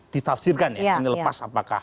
ditafsirkan ya ini lepas apakah